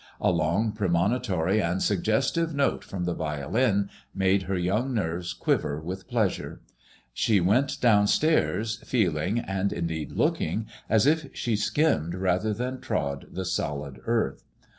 A long pre monitory and suggestive note from the violin made her young nerves quiver with pleasure. She went dovmstairs feeling, and in deed looking, as if she skimmed rather than trod the solid earth.